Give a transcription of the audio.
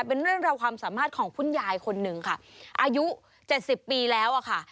เป็นเรื่องราวความสามารถของคุณยายคนหนึ่งค่ะอายุเจ็ดสิบปีแล้วอะค่ะ